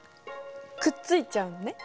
くっついちゃうのね。